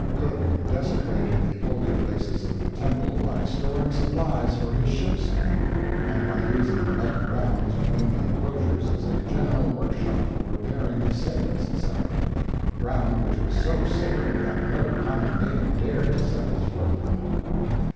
Cook desecrated the holy places of the temple by storing supplies for his ships in them, and by using the level grounds within the inclosure as a general workshop for repairing his sails, etc.—ground which was so sacred that no common native dared to set his foot upon it.